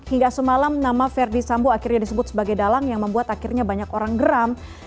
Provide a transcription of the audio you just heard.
hingga semalam nama verdi sambo akhirnya disebut sebagai dalang yang membuat akhirnya banyak orang geram